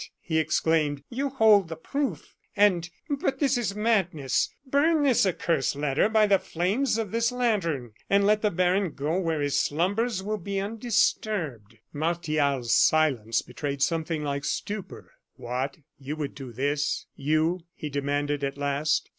he exclaimed. "You hold the proof, and But this is madness! Burn this accursed letter by the flames of this lantern, and let the baron go where his slumbers will be undisturbed." Martial's silence betrayed something like stupor. "What! you would do this you?" he demanded, at last.